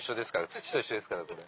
土と一緒ですからこれ。